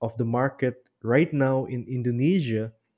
pasar sekarang di indonesia